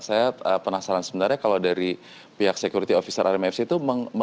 saya penasaran sebenarnya kalau dari pihak security officer rmfc itu